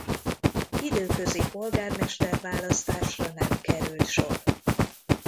Időközi polgármester-választásra nem került sor.